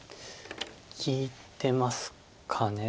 利いてますかね。